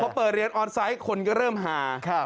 พอเปิดเรียนออนไซต์คนก็เริ่มหา